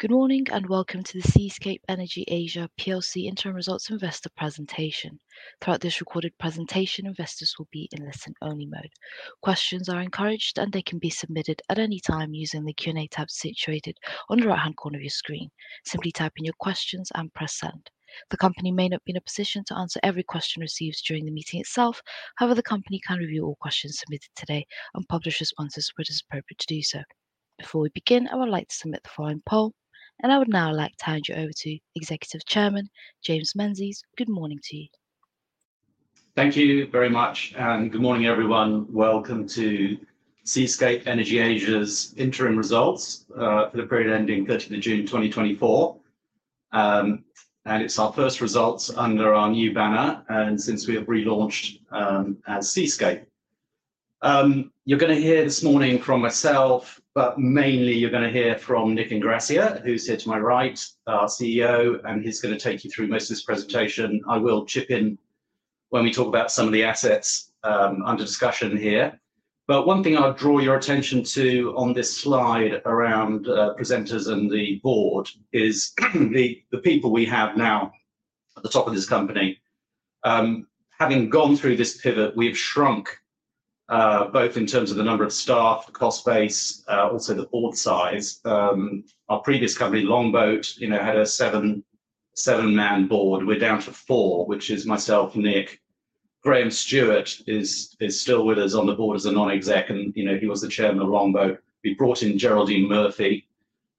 Good morning, and welcome to the Seascape Energy Asia PLC Interim Results Investor Presentation. Throughout this recorded presentation, investors will be in listen-only mode. Questions are encouraged, and they can be submitted at any time using the Q&A tab situated on the right-hand corner of your screen. Simply type in your questions and press Send. The company may not be in a position to answer every question received during the meeting itself. However, the company can review all questions submitted today and publish responses where it is appropriate to do so. Before we begin, I would like to submit the following poll, and I would now like to hand you over to Executive Chairman James Menzies. Good morning to you. Thank you very much, and good morning, everyone. Welcome to Seascape Energy Asia's interim results for the period ending 30th of June, 2024. And it's our first results under our new banner, and since we have relaunched as Seascape. You're gonna hear this morning from myself, but mainly you're gonna hear from Nick Ingrassia, who's here to my right, our CEO, and he's gonna take you through most of this presentation. I will chip in when we talk about some of the assets under discussion here. But one thing I'll draw your attention to on this slide around presenters and the board is the people we have now at the top of this company. Having gone through this pivot, we've shrunk both in terms of the number of staff, the cost base, also the board size. Our previous company, Longboat, you know, had a seven-man board. We're down to four, which is myself, Nick. Graham Stewart is still with us on the board as a non-exec, and, you know, he was the chairman of Longboat. We brought in Geraldine Murphy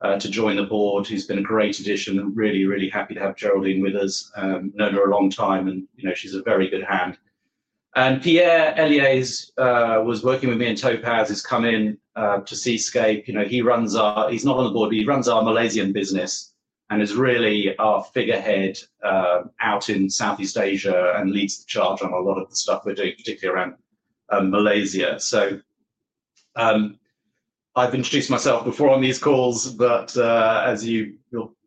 to join the board, who's been a great addition, and really, really happy to have Geraldine with us, known her a long time, and, you know, she's a very good hand. Pierre Elias was working with me in Topaz, has come in to Seascape. You know, he runs our... He's not on the board, but he runs our Malaysian business and is really our figurehead out in Southeast Asia and leads the charge on a lot of the stuff we're doing, particularly around Malaysia. I've introduced myself before on these calls, but as you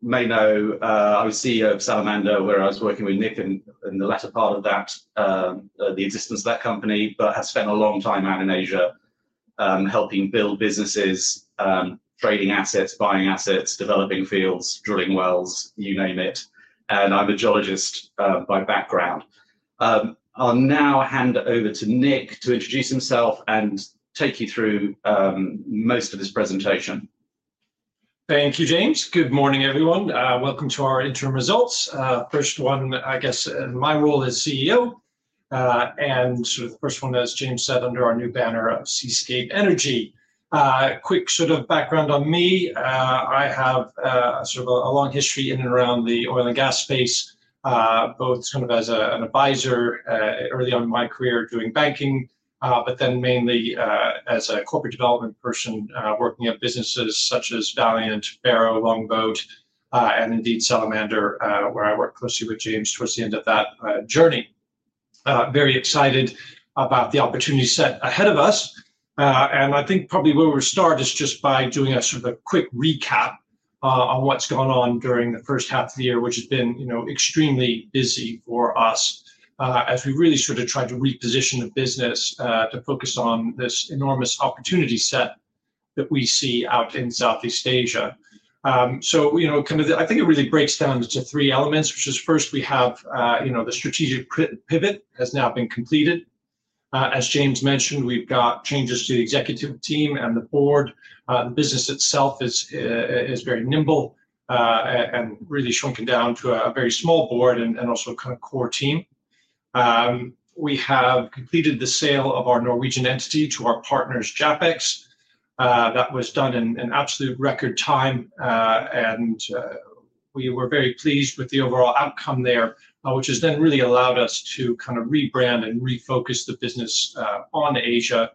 may know, I was CEO of Salamander, where I was working with Nick in the latter part of that the existence of that company, but have spent a long time out in Asia, helping build businesses, trading assets, buying assets, developing fields, drilling wells, you name it, and I'm a geologist by background. I'll now hand over to Nick to introduce himself and take you through most of this presentation. Thank you, James. Good morning, everyone. Welcome to our interim results. First one, I guess, in my role as CEO, and sort of the first one, as James said, under our new banner of Seascape Energy. Quick sort of background on me. I have sort of a long history in and around the oil and gas space, both kind of as an advisor, early on in my career doing banking, but then mainly as a corporate development person, working at businesses such as Valiant, Varo, Longboat, and indeed, Salamander, where I worked closely with James towards the end of that journey. Very excited about the opportunity set ahead of us. And I think probably where we'll start is just by doing a sort of a quick recap on what's gone on during the first half of the year, which has been, you know, extremely busy for us, as we really sort of tried to reposition the business to focus on this enormous opportunity set that we see out in Southeast Asia. So, you know, I think it really breaks down into three elements, which is first, we have, you know, the strategic pivot has now been completed. As James mentioned, we've got changes to the executive team and the board. The business itself is very nimble and really shrunken down to a very small board and also a kind of core team. We have completed the sale of our Norwegian entity to our partners, JAPEX. That was done in absolute record time, and we were very pleased with the overall outcome there, which has then really allowed us to kind of rebrand and refocus the business on Asia,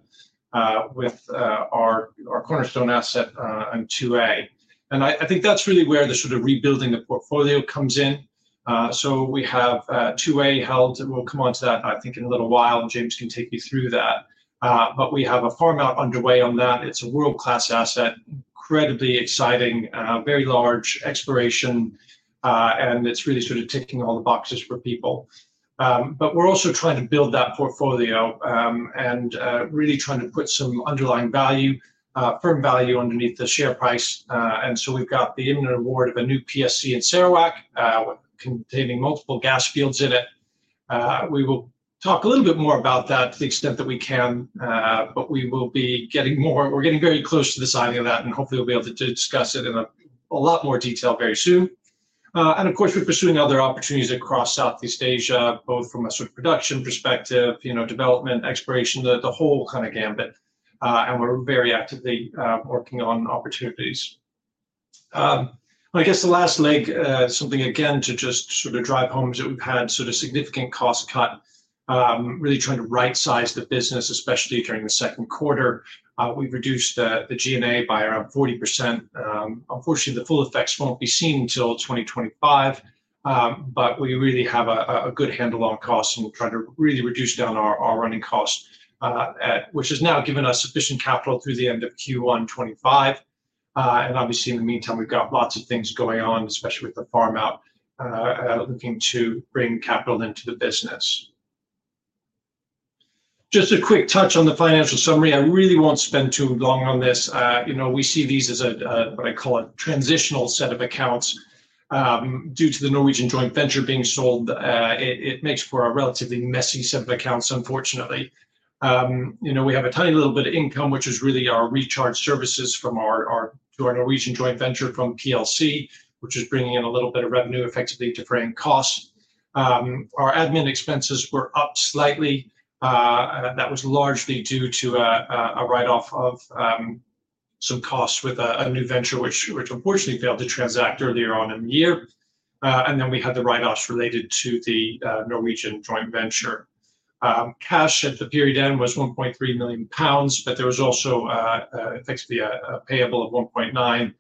with our cornerstone asset on Block 2A. And I think that's really where the sort of rebuilding the portfolio comes in. So we have Block 2A held, and we'll come onto that, I think, in a little while, and James can take you through that. But we have a farm out underway on that. It's a world-class asset, incredibly exciting, very large exploration, and it's really sort of ticking all the boxes for people. But we're also trying to build that portfolio, and really trying to put some underlying value, firm value underneath the share price. And so we've got the award of a new PSC in Sarawak, containing multiple gas fields in it. We will talk a little bit more about that to the extent that we can, but we're getting very close to the signing of that, and hopefully we'll be able to discuss it in a lot more detail very soon. And of course, we're pursuing other opportunities across Southeast Asia, both from a sort of production perspective, you know, development, exploration, the whole kind of gamut, and we're very actively working on opportunities. I guess the last leg, something again, to just sort of drive home is that we've had sort of significant cost cut, really trying to right size the business, especially during the second quarter. We've reduced the G&A by around 40%. Unfortunately, the full effects won't be seen until 2025, but we really have a good handle on costs, and we're trying to really reduce down our running costs, which has now given us sufficient capital through the end of Q1 2025, and obviously, in the meantime, we've got lots of things going on, especially with the farm-out, looking to bring capital into the business. Just a quick touch on the financial summary. I really won't spend too long on this. You know, we see these as what I call a transitional set of accounts. Due to the Norwegian joint venture being sold, it makes for a relatively messy set of accounts, unfortunately. You know, we have a tiny little bit of income, which is really our recharge services from our to our Norwegian joint venture from PLC, which is bringing in a little bit of revenue, effectively defraying costs. Our admin expenses were up slightly. That was largely due to a write-off of some costs with a new venture, which unfortunately failed to transact earlier on in the year. Then we had the write-offs related to the Norwegian joint venture. Cash at the period end was 1.3 million pounds, but there was also effectively a payable of 1.9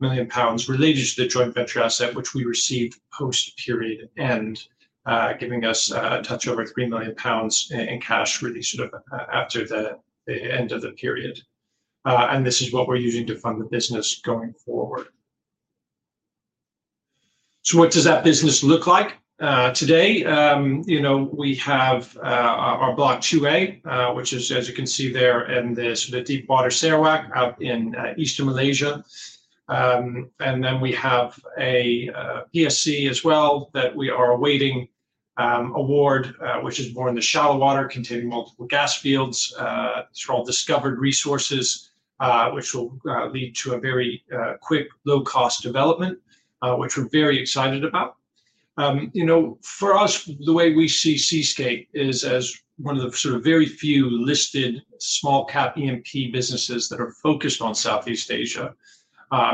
million pounds related to the joint venture asset, which we received post-period end, giving us a touch over 3 million pounds in cash really sort of after the end of the period. And this is what we're using to fund the business going forward. So what does that business look like? Today, you know, we have our Block 2A, which is, as you can see there, in the sort of deep water Sarawak out in eastern Malaysia. And then we have a PSC as well, that we are awaiting award, which is more in the shallow water, containing multiple gas fields. These are all discovered resources, which will lead to a very quick, low-cost development, which we're very excited about. You know, for us, the way we see Seascape is as one of the sort of very few listed small-cap E&P businesses that are focused on Southeast Asia.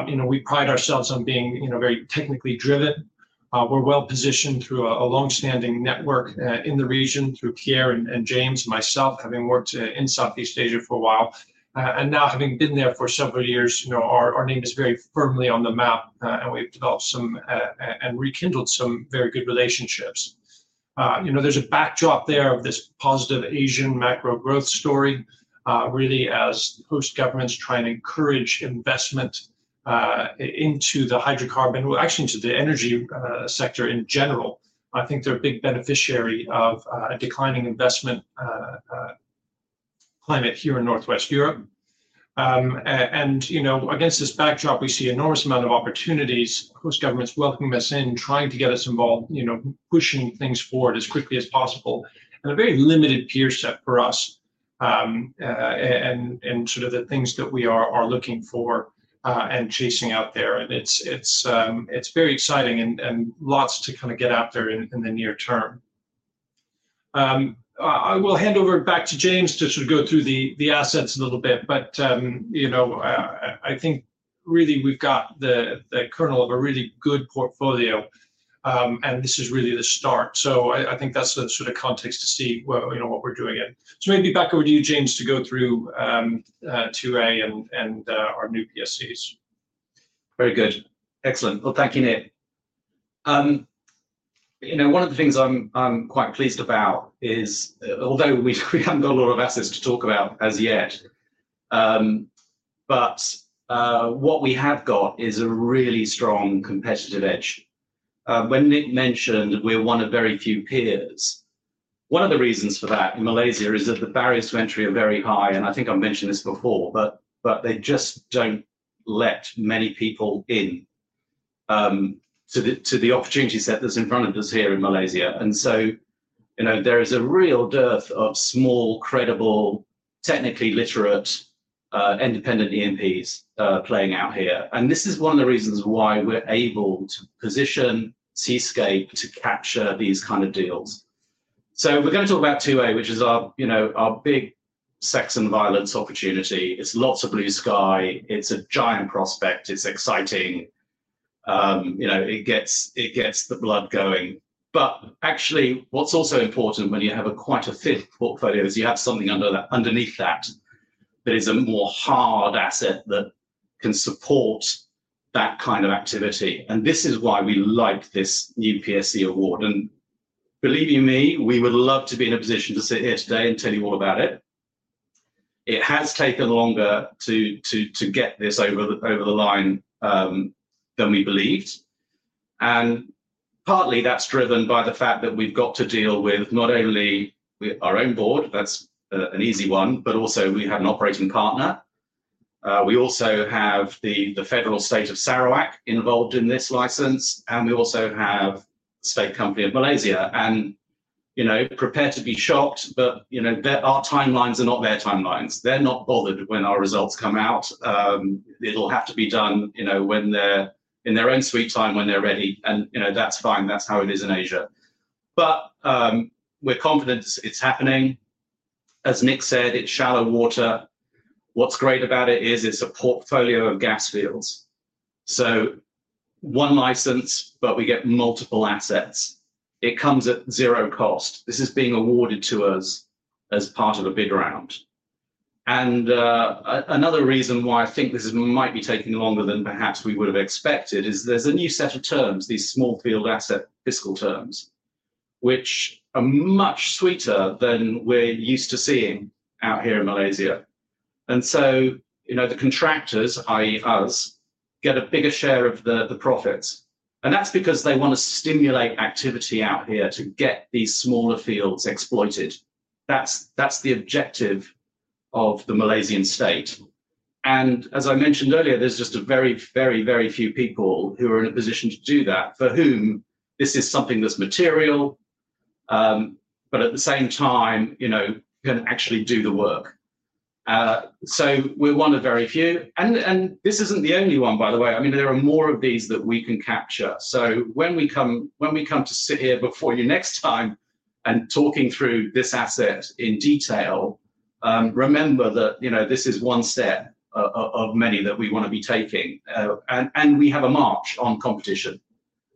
You know, we pride ourselves on being, you know, very technically driven. We're well-positioned through a long-standing network in the region through Pierre and James and myself, having worked in Southeast Asia for a while. Now having been there for several years, you know, our name is very firmly on the map, and we've developed some and rekindled some very good relationships. You know, there's a backdrop there of this positive Asian macro growth story, really as host governments try and encourage investment into the hydrocarbon... Well, actually, into the energy sector in general. I think they're a big beneficiary of a declining investment climate here in Northwest Europe. And, you know, against this backdrop, we see enormous amount of opportunities, host governments welcoming us in, trying to get us involved, you know, pushing things forward as quickly as possible, and a very limited peer set for us. And sort of the things that we are looking for and chasing out there. It's very exciting and lots to kinda get out there in the near term. I will hand over back to James to sort of go through the assets a little bit, but you know, I think really we've got the kernel of a really good portfolio, and this is really the start. I think that's the sort of context to see what, you know, what we're doing here. Maybe back over to you, James, to go through 2A and our new PSCs. Very good. Excellent. Thank you, Nick. You know, one of the things I'm quite pleased about is, although we haven't got a lot of assets to talk about as yet, but what we have got is a really strong competitive edge. When Nick mentioned we're one of very few peers, one of the reasons for that in Malaysia is that the barriers to entry are very high, and I think I've mentioned this before, but they just don't let many people in, to the opportunity set that's in front of us here in Malaysia. So, you know, there is a real dearth of small, credible, technically literate independent E&Ps playing out here, and this is one of the reasons why we're able to position Seascape to capture these kind of deals. We're gonna talk about 2A, which is our, you know, our big sex and violence opportunity. It's lots of blue sky. It's a giant prospect. It's exciting. You know, it gets the blood going. But actually, what's also important when you have quite a thick portfolio is you have something underneath that, that is a more hard asset that can support that kind of activity. And this is why we like this new PSC award. And believe you me, we would love to be in a position to sit here today and tell you all about it. It has taken longer to get this over the line than we believed, and partly that's driven by the fact that we've got to deal with not only with our own board, that's an easy one, but also we have an operating partner. We also have the federal state of Sarawak involved in this license, and we also have state company of Malaysia, and you know, prepare to be shocked, but you know, our timelines are not their timelines. They're not bothered when our results come out. It'll have to be done, you know, when they're in their own sweet time, when they're ready. And you know, that's fine. That's how it is in Asia, but we're confident it's happening. As Nick said, it's shallow water. What's great about it is it's a portfolio of gas fields, so one license, but we get multiple assets. It comes at zero cost. This is being awarded to us as part of a bid round, and another reason why I think this might be taking longer than perhaps we would have expected is there's a new set of terms, these small field asset fiscal terms, which are much sweeter than we're used to seeing out here in Malaysia. So, you know, the contractors, i.e. us, get a bigger share of the profits. And that's because they wanna stimulate activity out here to get these smaller fields exploited. That's the objective of the Malaysian state. As I mentioned earlier, there's just a very, very, very few people who are in a position to do that, for whom this is something that's material. But at the same time, you know, can actually do the work. So we're one of very few. And this isn't the only one, by the way. I mean, there are more of these that we can capture. So when we come to sit here before you next time, and talking through this asset in detail, remember that, you know, this is one step of many that we wanna be taking. And we have a march on competition.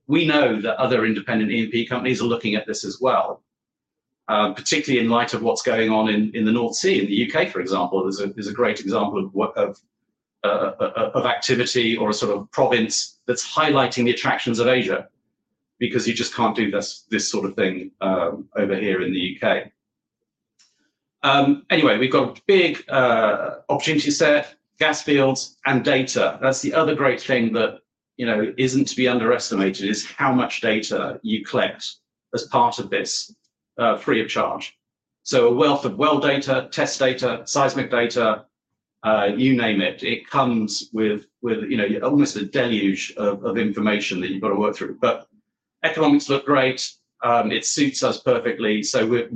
We know that other independent E&P companies are looking at this as well, particularly in light of what's going on in the North Sea. In the U.K., for example, there's a great example of activity or a sort of province that's highlighting the attractions of Asia, because you just can't do this sort of thing over here in the U.K. Anyway, we've got a big opportunity set, gas fields, and data. That's the other great thing that, you know, isn't to be underestimated, is how much data you collect as part of this free of charge. So a wealth of well data, test data, seismic data, you name it, it comes with, you know, almost a deluge of information that you've got to work through. But economics look great. It suits us perfectly, so we're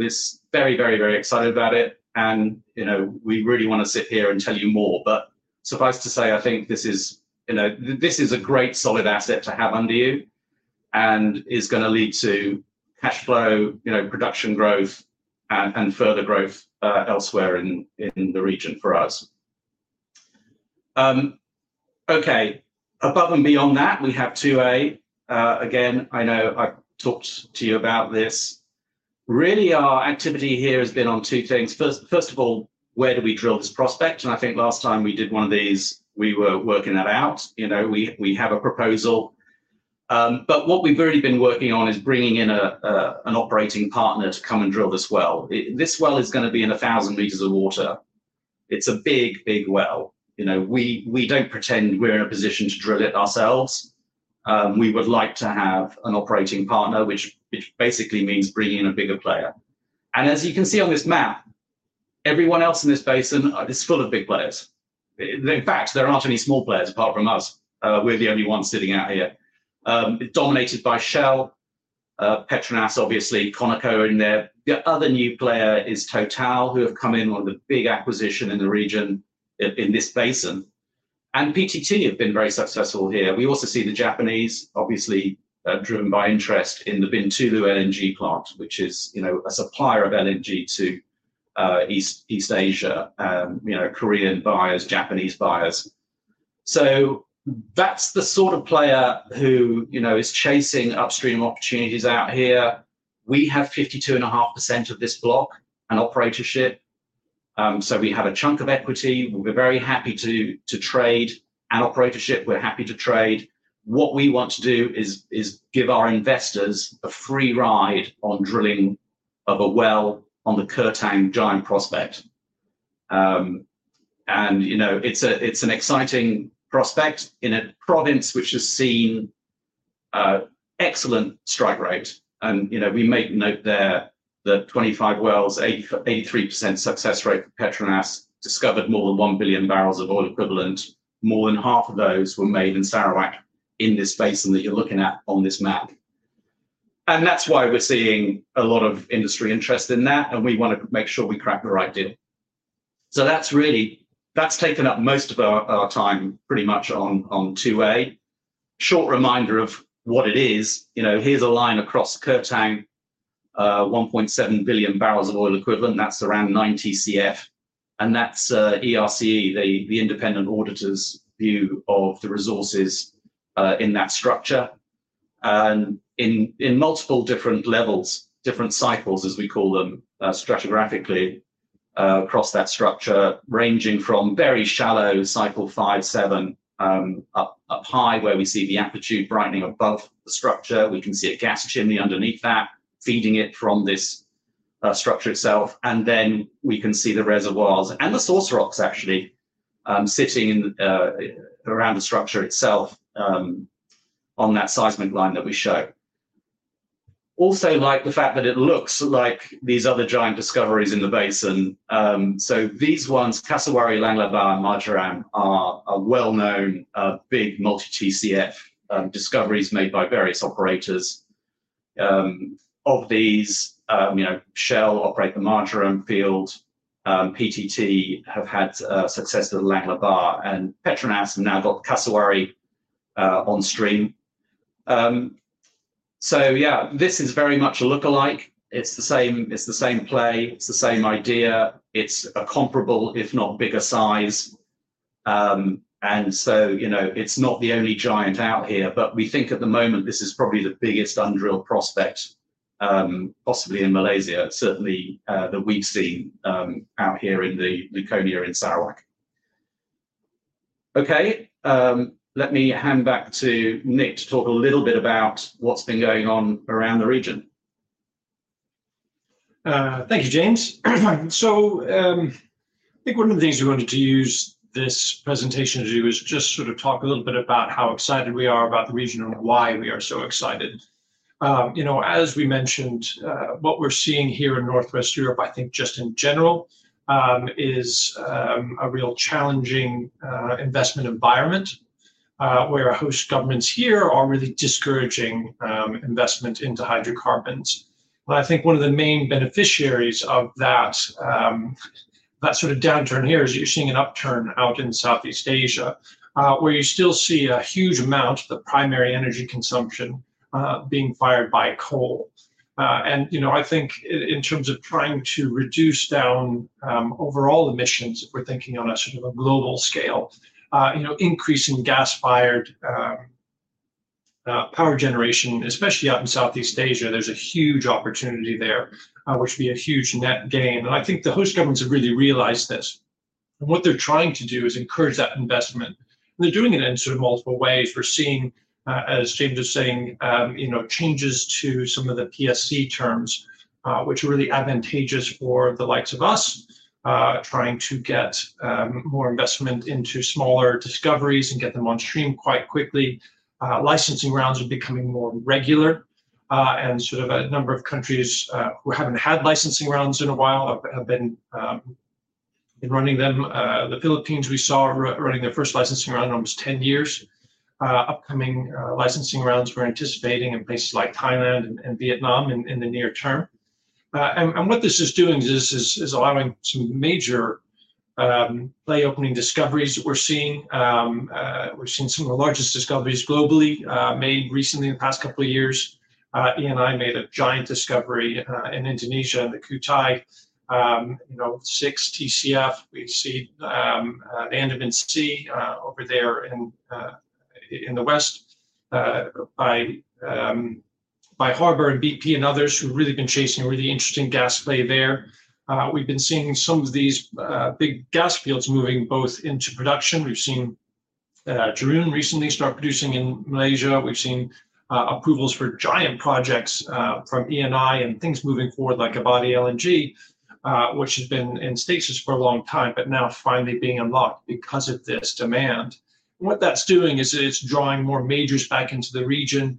very, very, very excited about it. And, you know, we really wanna sit here and tell you more. But suffice to say, I think this is, you know, this is a great solid asset to have under you, and is gonna lead to cash flow, you know, production growth, and further growth elsewhere in the region for us. Okay, above and beyond that, we have 2A. Again, I know I've talked to you about this. Really, our activity here has been on two things. First of all, where do we drill this prospect? And I think last time we did one of these, we were working that out. You know, we have a proposal. But what we've really been working on is bringing in an operating partner to come and drill this well. This well is gonna be in a thousand meters of water. It's a big, big well. You know, we don't pretend we're in a position to drill it ourselves. We would like to have an operating partner, which basically means bringing in a bigger player. And as you can see on this map, everyone else in this basin is full of big players. In fact, there aren't any small players apart from us. We're the only ones sitting out here, dominated by Shell, PETRONAS, obviously, Conoco in there. The other new player is Total, who have come in on the big acquisition in the region, in this basin. And PTT have been very successful here. We also see the Japanese, obviously, driven by interest in the Bintulu LNG plant, which is, you know, a supplier of LNG to East Asia, you know, Korean buyers, Japanese buyers. That's the sort of player who, you know, is chasing upstream opportunities out here. We have 52.5% of this block and operatorship. We have a chunk of equity. We're very happy to trade our operatorship. We're happy to trade. What we want to do is give our investors a free ride on drilling of a well on the Kertang giant prospect. You know, it's an exciting prospect in a province which has seen excellent strike rate. You know, we make note there that 25 wells, 88.3% success rate for PETRONAS, discovered more than 1 billion barrels of oil equivalent. More than half of those were made in Sarawak, in this basin that you're looking at on this map. That's why we're seeing a lot of industry interest in that, and we want to make sure we crack the right deal. That's really taken up most of our time, pretty much on 2A. Short reminder of what it is, you know. Here's a line across Kertang, 1.7 billion barrels of oil equivalent, that's around 90 TCF. That's ERCE, the independent auditor's view of the resources in that structure. In multiple different levels, different cycles, as we call them, stratigraphically, across that structure, ranging from very shallow cycle five, seven, up high, where we see the amplitude brightening above the structure. We can see a gas chimney underneath that, feeding it from this structure itself. And then we can see the reservoirs and the source rocks, actually, sitting in around the structure itself, on that seismic line that we show. Also like the fact that it looks like these other giant discoveries in the basin. So these ones, Kasawari, Lang Lebah, and Marjoram, are well-known big multi-TCF discoveries made by various operators. Of these, you know, Shell operate the Marjoram field, PTT have had success with the Lang Lebah, and PETRONAS have now got Kasawari on stream. So yeah, this is very much a lookalike. It's the same, it's the same play, it's the same idea. It's a comparable, if not bigger size. And so, you know, it's not the only giant out here, but we think at the moment, this is probably the biggest undrilled prospect, possibly in Malaysia, certainly that we've seen out here in the Luconia in Sarawak. Okay, let me hand back to Nick to talk a little bit about what's been going on around the region. Thank you, James. I think one of the things we wanted to use this presentation to do is just sort of talk a little bit about how excited we are about the region and why we are so excited. You know, as we mentioned, what we're seeing here in Northwest Europe, I think just in general, is a real challenging investment environment, where our host governments here are really discouraging investment into hydrocarbons. But I think one of the main beneficiaries of that, that sort of downturn here is you're seeing an upturn out in Southeast Asia, where you still see a huge amount of the primary energy consumption being fired by coal. You know, I think in terms of trying to reduce down overall emissions, if we're thinking on a sort of a global scale, you know, increasing gas-fired power generation, especially out in Southeast Asia, there's a huge opportunity there, which would be a huge net gain. I think the host governments have really realized this, and what they're trying to do is encourage that investment, and they're doing it in sort of multiple ways. We're seeing, as James was saying, you know, changes to some of the PSC terms, which are really advantageous for the likes of us, trying to get more investment into smaller discoveries and get them on stream quite quickly. Licensing rounds are becoming more regular, and sort of a number of countries who haven't had licensing rounds in a while have been running them. The Philippines we saw running their first licensing round in almost 10 years. Upcoming licensing rounds we're anticipating in places like Thailand and Vietnam in the near term. What this is doing is allowing some major play-opening discoveries that we're seeing. We're seeing some of the largest discoveries globally made recently in the past couple of years. Eni made a giant discovery in Indonesia, in the Kutai, you know, six TCF. We've seen Andaman Sea over there in the west by Harbour and BP and others who've really been chasing a really interesting gas play there. We've been seeing some of these big gas fields moving both into production. We've seen Jerun recently start producing in Malaysia. We've seen approvals for giant projects from Eni, and things moving forward, like Abadi LNG, which has been in stasis for a long time, but now finally being unlocked because of this demand. And what that's doing is it's drawing more majors back into the region,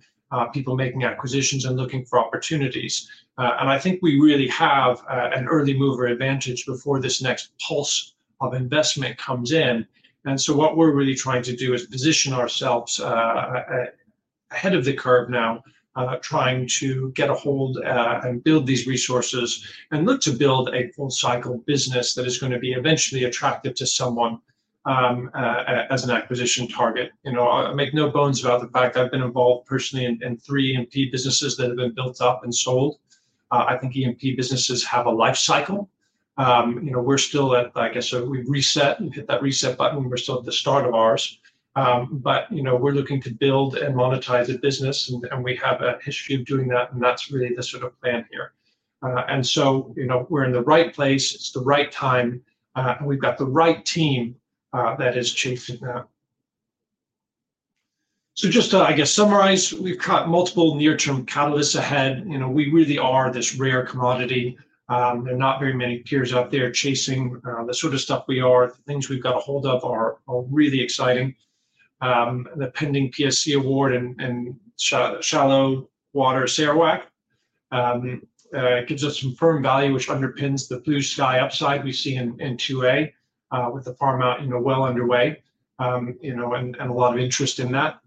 people making acquisitions and looking for opportunities. I think we really have an early mover advantage before this next pulse of investment comes in, and so what we're really trying to do is position ourselves ahead of the curve now, trying to get a hold and build these resources and look to build a full-cycle business that is gonna be eventually attractive to someone as an acquisition target. You know, I make no bones about the fact I've been involved personally in three E&P businesses that have been built up and sold. I think E&P businesses have a life cycle. You know, we're still at... I guess, so we've reset, we've hit that reset button, we're still at the start of ours. But, you know, we're looking to build and monetize a business, and we have a history of doing that, and that's really the sort of plan here. And so, you know, we're in the right place, it's the right time, and we've got the right team that is chasing that. So just to, I guess, summarize, we've got multiple near-term catalysts ahead. You know, we really are this rare commodity. There are not very many peers out there chasing the sort of stuff we are. The things we've got a hold of are really exciting. The pending PSC award in shallow water Sarawak gives us some firm value, which underpins the blue sky upside we see in 2A with the farm-out, you know, well underway. You know, and a lot of interest in that.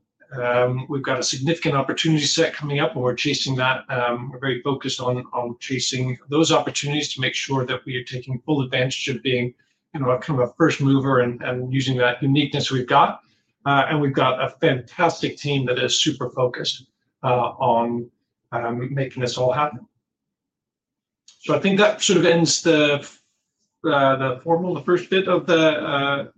We've got a significant opportunity set coming up, and we're chasing that. We're very focused on chasing those opportunities to make sure that we are taking full advantage of being, you know, a kind of a first mover and using that uniqueness we've got. And we've got a fantastic team that is super focused on making this all happen. So I think that sort of ends the formal, the first bit of the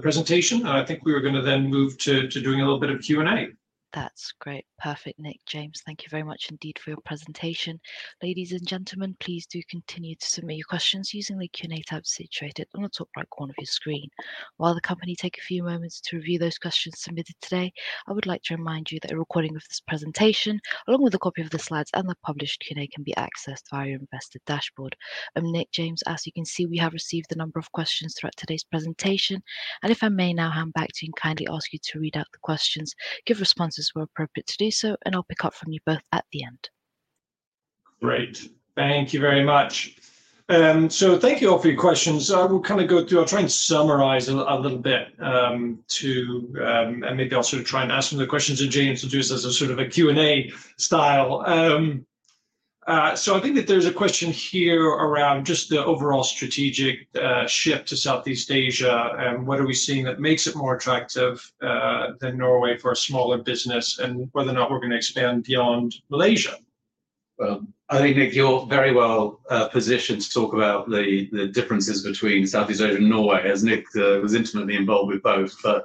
presentation, and I think we are gonna then move to doing a little bit of Q&A. That's great. Perfect, Nick, James, thank you very much indeed for your presentation. Ladies and gentlemen, please do continue to submit your questions using the Q&A tab situated on the top right corner of your screen. While the company take a few moments to review those questions submitted today, I would like to remind you that a recording of this presentation, along with a copy of the slides and the published Q&A, can be accessed via your investor dashboard. Nick, James, as you can see, we have received a number of questions throughout today's presentation, and if I may now hand back to you and kindly ask you to read out the questions, give responses where appropriate to do so, and I'll pick up from you both at the end. Great. Thank you very much. So thank you all for your questions. I will kinda go through... I'll try and summarize a little bit, to and maybe I'll sort of try and ask some of the questions that James introduced as a sort of a Q&A style. So I think that there's a question here around just the overall strategic shift to Southeast Asia, and what are we seeing that makes it more attractive than Norway for a smaller business, and whether or not we're gonna expand beyond Malaysia? I think, Nick, you're very well positioned to talk about the differences between Southeast Asia and Norway, as Nick was intimately involved with both. But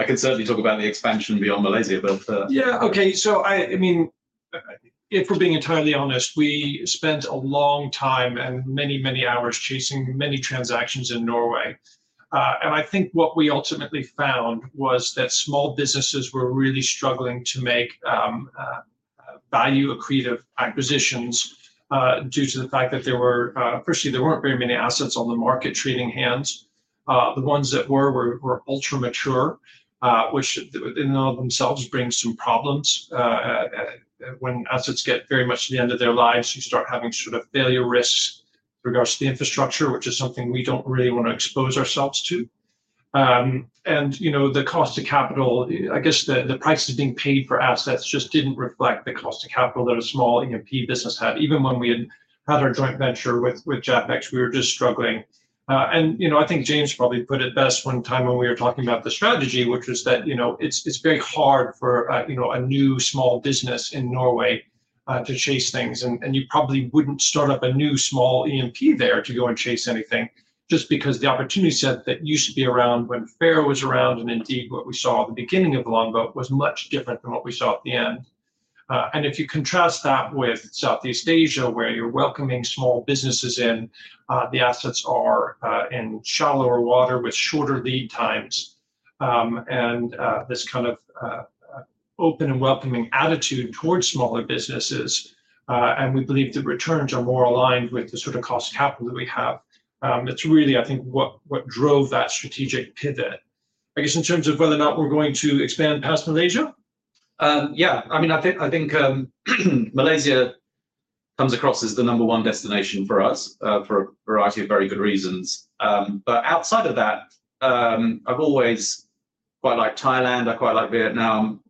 I can certainly talk about the expansion beyond Malaysia, but Yeah, okay. So I mean, if we're being entirely honest, we spent a long time and many, many hours chasing many transactions in Norway, and I think what we ultimately found was that small businesses were really struggling to make value accretive acquisitions due to the fact that firstly, there weren't very many assets on the market changing hands. The ones that were were ultra-mature, which in and of themselves bring some problems. When assets get very much to the end of their lives, you start having sort of failure risks regards to the infrastructure, which is something we don't really wanna expose ourselves to. You know, the cost of capital, I guess the prices being paid for assets just didn't reflect the cost of capital that a small E&P business had. Even when we had had our joint venture with JAPEX, we were just struggling. You know, I think James probably put it best one time when we were talking about the strategy, which was that, you know, it's very hard for a, you know, a new small business in Norway to chase things, and you probably wouldn't start up a new small E&P there to go and chase anything, just because the opportunity set that used to be around when Fair was around, and indeed what we saw at the beginning of Longboat, was much different than what we saw at the end. And if you contrast that with Southeast Asia, where you're welcoming small businesses in, the assets are in shallower water with shorter lead times, and this kind of open and welcoming attitude towards smaller businesses, and we believe the returns are more aligned with the sort of cost of capital that we have. It's really, I think, what drove that strategic pivot. I guess, in terms of whether or not we're going to expand past Malaysia? Yeah. I mean, I think, Malaysia comes across as the number one destination for us, for a variety of very good reasons. But outside of that, I've always quite liked Thailand. I quite like Vietnam.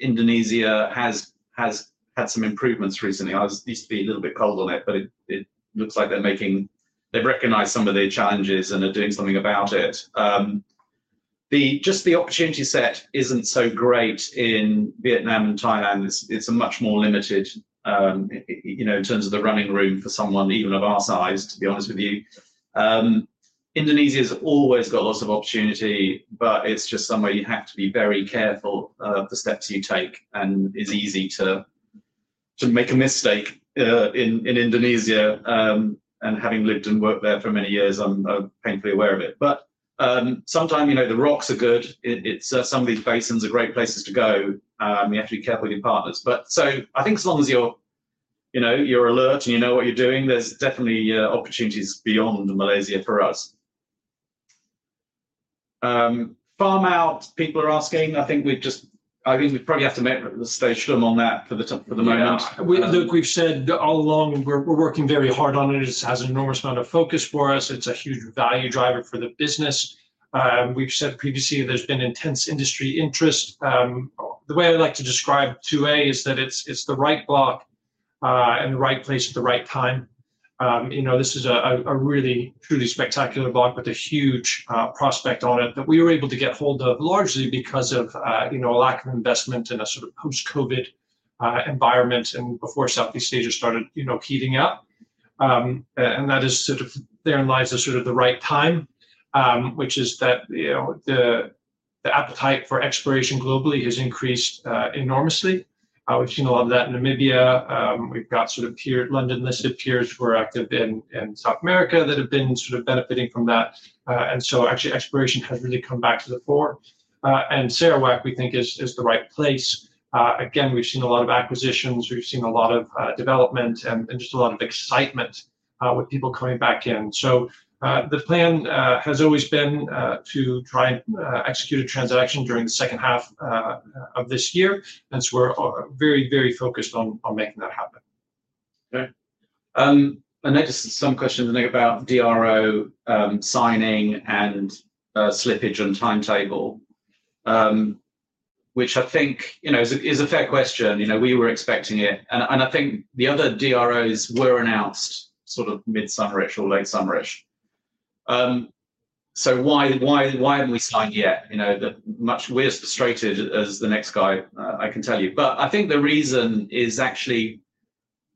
Indonesia has had some improvements recently. I used to be a little bit cold on it, but it looks like they've recognized some of their challenges and are doing something about it. Just the opportunity set isn't so great in Vietnam and Thailand. It's a much more limited, you know, in terms of the running room for someone, even of our size, to be honest with you. Indonesia's always got lots of opportunity, but it's just somewhere you have to be very careful of the steps you take, and it's easy to make a mistake in Indonesia, and having lived and worked there for many years, I'm painfully aware of it, but sometimes, you know, the rocks are good. It's some of these basins are great places to go, you have to be careful with your partners, but so, I think as long as you're, you know, you're alert and you know what you're doing, there's definitely opportunities beyond Malaysia for us. Farm-out, people are asking. I think we've just... I think we probably have to stay shtum on that for the moment. Yeah. Look, we've said all along, we're working very hard on it. It has an enormous amount of focus for us. It's a huge value driver for the business. We've said previously, there's been intense industry interest. The way I like to describe 2A is that it's the right block, and the right place at the right time. You know, this is a really truly spectacular block with a huge prospect on it, that we were able to get hold of, largely because of, you know, a lack of investment in a sort of post-COVID environment and before Southeast Asia started, you know, heating up. And that is sort of, therein lies the right time, which is that, you know, the appetite for exploration globally has increased enormously. We've seen a lot of that in Namibia. We've got sort of peer London-listed peers who are active in South America that have been sort of benefiting from that. So actually exploration has really come back to the fore. Sarawak, we think, is the right place. Again, we've seen a lot of acquisitions. We've seen a lot of development and just a lot of excitement with people coming back in, so the plan has always been to try and execute a transaction during the second half of this year, and we're very very focused on making that happen. Okay. I noticed some questions, I think, about DRO, signing and, slippage and timetable. Which I think, you know, is a fair question. You know, we were expecting it, and I think the other DROs were announced sort of mid-summer-ish or late summer-ish. So why haven't we signed yet? You know, that much. We're as frustrated as the next guy, I can tell you. But I think the reason is actually,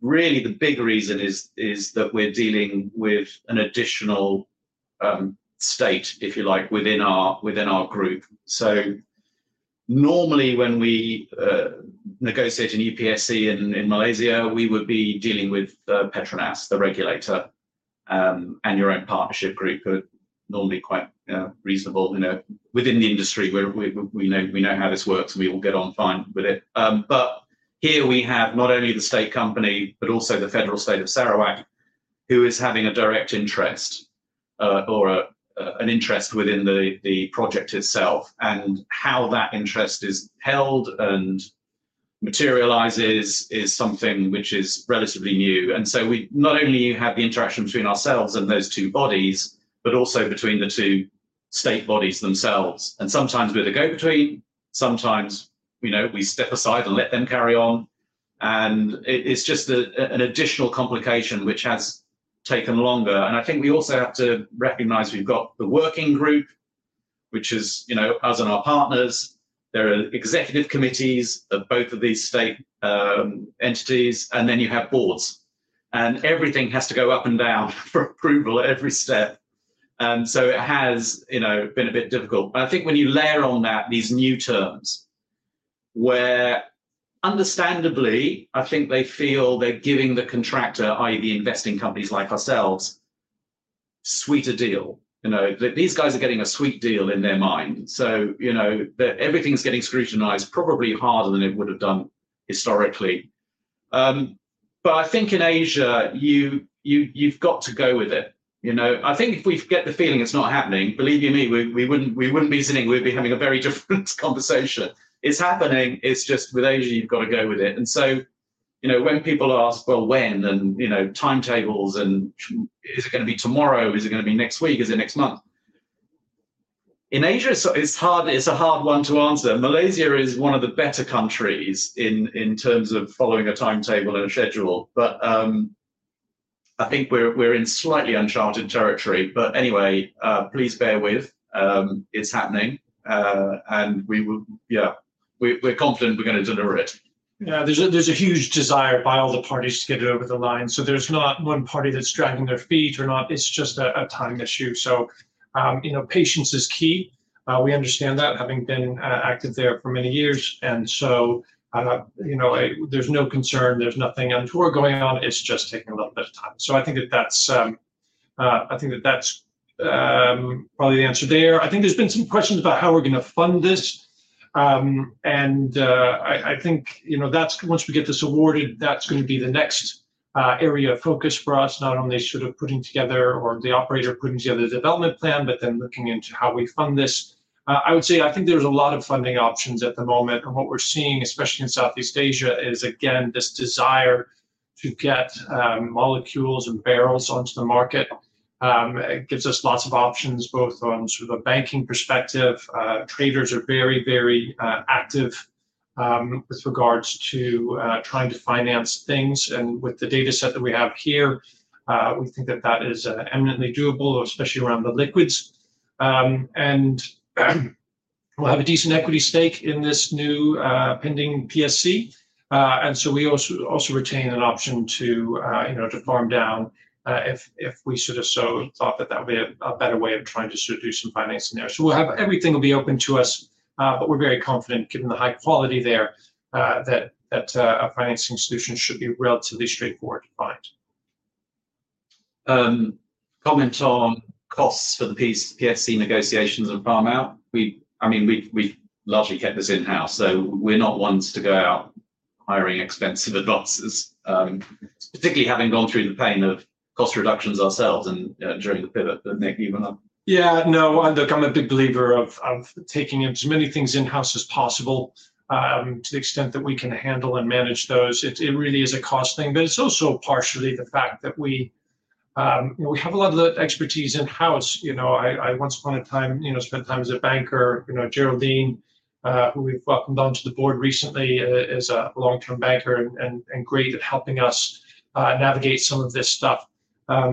really the big reason is that we're dealing with an additional, state, if you like, within our group. So normally when we negotiate a PSC in Malaysia, we would be dealing with PETRONAS, the regulator, and your own partnership group, are normally quite reasonable. You know, within the industry, we know how this works, and we all get on fine with it. But here we have not only the state company, but also the federal state of Sarawak, who is having a direct interest, or an interest within the project itself. How that interest is held and materializes is something which is relatively new. So we not only have the interaction between ourselves and those two bodies, but also between the two state bodies themselves. Sometimes we're the go-between, sometimes, you know, we step aside and let them carry on. It's just an additional complication which has taken longer. I think we also have to recognize we've got the working group, which is, you know, us and our partners. There are executive committees of both of these state entities, and then you have boards, and everything has to go up and down for approval at every step, and so it has, you know, been a bit difficult, but I think when you layer on that these new terms, where understandably, I think they feel they're giving the contractor, i.e., the investing companies like ourselves, sweeter deal. You know, that these guys are getting a sweet deal in their mind, so, you know, everything's getting scrutinized probably harder than it would've done historically, but I think in Asia, you've got to go with it, you know? I think if we get the feeling it's not happening, believe you me, we wouldn't be sitting here. We'd be having a very different conversation. It's happening, it's just with Asia, you've gotta go with it. And so, you know, when people ask, "Well, when?" And, you know, timetables, and, "Is it gonna be tomorrow? Is it gonna be next week? Is it next month?" In Asia, so it's hard, it's a hard one to answer. Malaysia is one of the better countries in terms of following a timetable and a schedule, but I think we're in slightly uncharted territory. But anyway, please bear with. It's happening. And we will... Yeah, we're confident we're gonna deliver it. Yeah, there's a huge desire by all the parties to get it over the line, so there's not one party that's dragging their feet or not. It's just a timing issue. So, you know, patience is key. We understand that, having been active there for many years. And so, you know, there's no concern, there's nothing untoward going on. It's just taking a little bit of time. So I think that's probably the answer there. I think there's been some questions about how we're gonna fund this. And, I think, you know, that's... Once we get this awarded, that's gonna be the next area of focus for us, not only sort of putting together, or the operator putting together the development plan, but then looking into how we fund this. I would say, I think there's a lot of funding options at the moment, and what we're seeing, especially in Southeast Asia, is, again, this desire to get molecules and barrels onto the market. It gives us lots of options, both from sort of a banking perspective. Traders are very, very active with regards to trying to finance things. And with the dataset that we have here, we think that that is eminently doable, especially around the liquids. And we'll have a decent equity stake in this new pending PSC. And so we also retain an option to, you know, to farm down, if we should have so thought that that would be a better way of trying to sort of do some financing there. We'll have everything will be open to us, but we're very confident, given the high quality there, that a financing solution should be relatively straightforward to find. Comment on costs for the PSC negotiations and farm-out. I mean, we've largely kept this in-house, so we're not ones to go out hiring expensive advisors. Particularly having gone through the pain of cost reductions ourselves and during the pivot, but Nick, you wanna- Yeah, no, look, I'm a big believer of taking as many things in-house as possible, to the extent that we can handle and manage those. It really is a cost thing, but it's also partially the fact that we, you know, we have a lot of the expertise in-house. You know, I once upon a time, you know, spent time as a banker. You know, Geraldine, who we've welcomed onto the board recently, is a long-term banker and great at helping us navigate some of this stuff.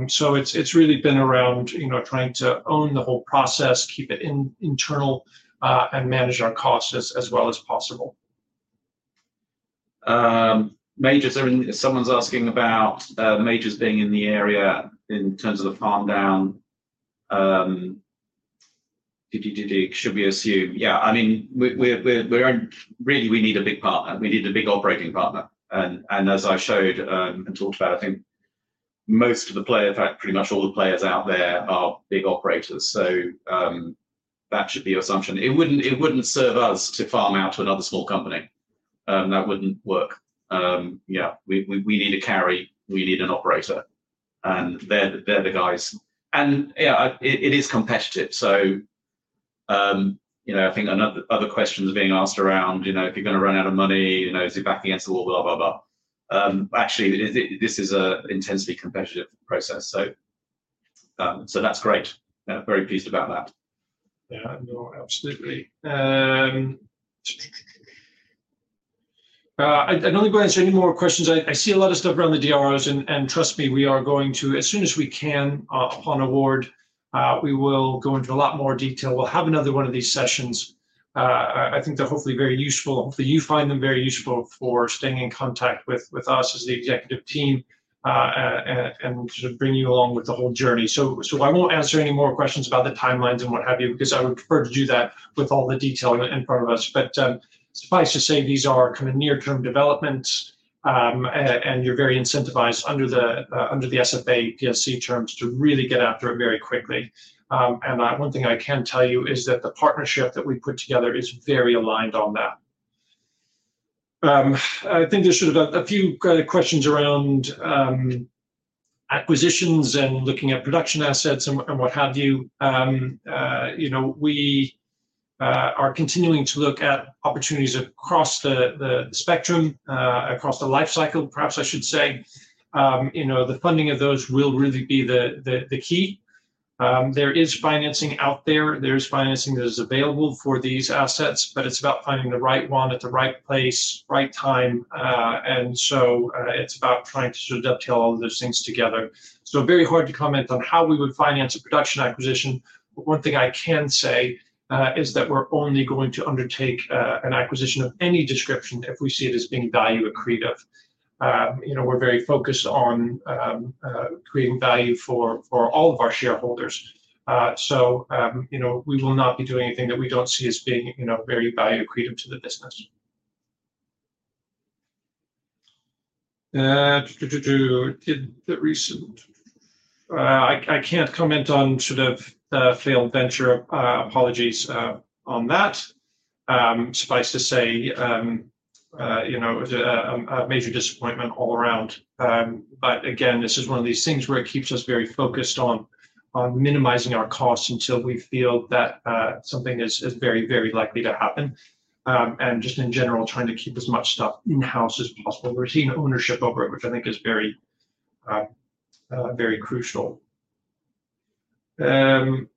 So it's really been around, you know, trying to own the whole process, keep it internal, and manage our costs as well as possible. Someone's asking about majors being in the area in terms of the farm-out. Should we assume? Yeah, I mean, we're really. We need a big partner. We need a big operating partner, and as I showed and talked about, I think most of the players. In fact, pretty much all the players out there are big operators, so that should be your assumption. It wouldn't serve us to farm-out to another small company. That wouldn't work. Yeah, we need a carry. We need an operator, and they're the guys. Yeah, it is competitive, so you know, I think another questions are being asked around, you know, if you're gonna run out of money, you know, is it back against the wall, blah, blah, blah. Actually, it is. This is an intensely competitive process, so that's great. Very pleased about that. Yeah, no, absolutely. I'm not going to answer any more questions. I see a lot of stuff around the DROs, and trust me, we are going to, as soon as we can, upon award, we will go into a lot more detail. We'll have another one of these sessions. I think they're hopefully very useful, hopefully you find them very useful for staying in contact with us as the executive team, and to bring you along with the whole journey. So I won't answer any more questions about the timelines and what have you, because I would prefer to do that with all the detail in front of us. Suffice to say, these are kind of near-term developments, and you're very incentivized under the SFA PSC terms to really get after it very quickly. One thing I can tell you is that the partnership that we've put together is very aligned on that. I think there's sort of a few kind of questions around acquisitions and looking at production assets and what have you. You know, we are continuing to look at opportunities across the spectrum, across the life cycle, perhaps I should say. You know, the funding of those will really be the key. There is financing out there. There's financing that is available for these assets, but it's about finding the right one at the right place, right time. It's about trying to sort of dovetail all of those things together, so very hard to comment on how we would finance a production acquisition, but one thing I can say is that we're only going to undertake an acquisition of any description if we see it as being value accretive. You know, we're very focused on creating value for all of our shareholders, so you know, we will not be doing anything that we don't see as being, you know, very value accretive to the business. I can't comment on sort of failed venture. Apologies on that. Suffice to say, you know, a major disappointment all around. But again, this is one of these things where it keeps us very focused on minimizing our costs until we feel that something is very, very likely to happen. And just in general, trying to keep as much stuff in-house as possible, retaining ownership over it, which I think is very, very crucial. Who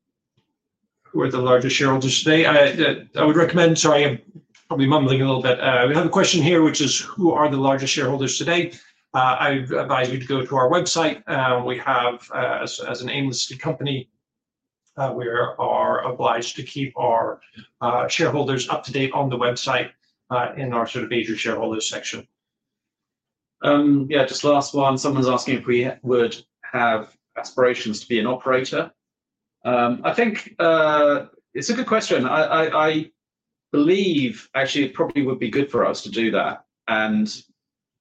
are the largest shareholders today? I would recommend... Sorry, I'm probably mumbling a little bit. We have a question here, which is: who are the largest shareholders today? I advise you to go to our website. We have, as an AIM listed company, we are obliged to keep our shareholders up to date on the website, in our sort of major shareholders section. Yeah, just last one. Someone's asking if we would have aspirations to be an operator. I think it's a good question. I believe actually it probably would be good for us to do that. And,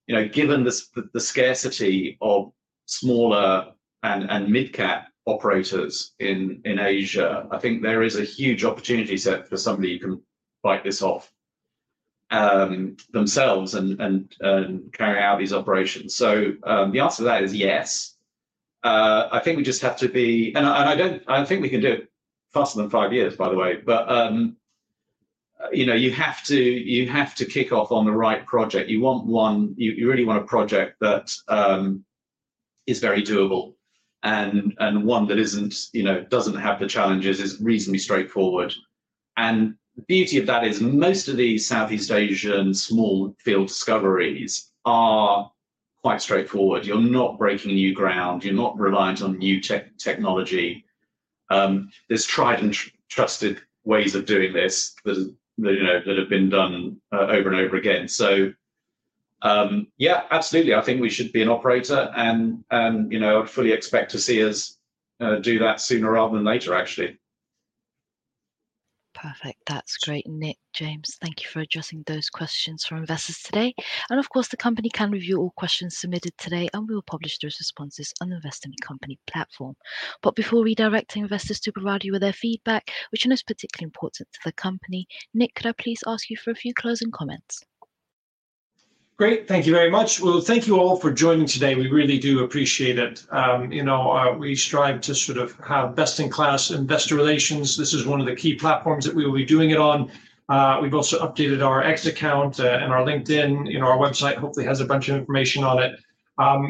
you know, given the scarcity of smaller and mid-cap operators in Asia, I think there is a huge opportunity set for somebody who can bite this off themselves and carry out these operations. So, the answer to that is yes. I think we just have to be... And I don't, I think we can do it faster than five years, by the way. But you know, you have to kick off on the right project. You want one... You really want a project that is very doable and, and one that isn't, you know, doesn't have the challenges, is reasonably straightforward, and the beauty of that is most of the Southeast Asian small field discoveries are quite straightforward. You're not breaking new ground, you're not reliant on new technology. There's tried and trusted ways of doing this that, you know, that have been done over and over again. So, yeah, absolutely. I think we should be an operator, and, you know, I'd fully expect to see us do that sooner rather than later, actually. Perfect. That's great, Nick, James. Thank you for addressing those questions from investors today. And of course, the company can review all questions submitted today, and we will publish those responses on the investment company platform. But before redirecting investors to provide you with their feedback, which is particularly important to the company, Nick, could I please ask you for a few closing comments? Great. Thank you very much. Well, thank you all for joining today. We really do appreciate it. You know, we strive to sort of have best-in-class investor relations. This is one of the key platforms that we will be doing it on. We've also updated our X account and our LinkedIn. You know, our website hopefully has a bunch of information on it.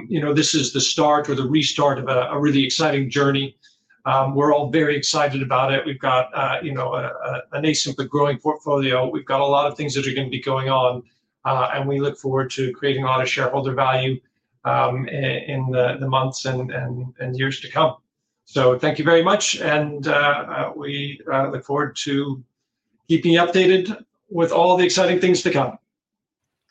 You know, this is the start or the restart of a really exciting journey. We're all very excited about it. We've got, you know, a nascent but growing portfolio. We've got a lot of things that are gonna be going on, and we look forward to creating a lot of shareholder value, in the months and years to come. So thank you very much, and we look forward to keeping you updated with all the exciting things to come.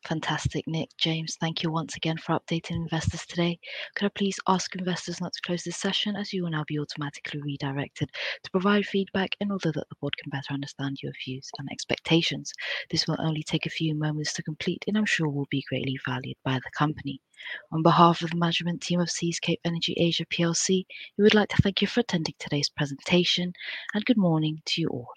Fantastic, Nick, James, thank you once again for updating investors today. Could I please ask investors now to close this session, as you will now be automatically redirected to provide feedback in order that the board can better understand your views and expectations? This will only take a few moments to complete, and I'm sure will be greatly valued by the company. On behalf of the management team of Seascape Energy Asia PLC, we would like to thank you for attending today's presentation, and good morning to you all.